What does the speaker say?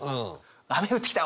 雨降ってきた！